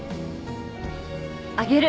あげる。